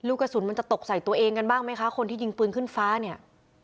กระสุนมันจะตกใส่ตัวเองกันบ้างไหมคะคนที่ยิงปืนขึ้นฟ้าเนี่ย